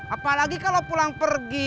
apalagi kalau pulang pergi